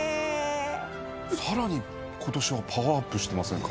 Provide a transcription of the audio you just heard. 更に今年はパワーアップしてませんか？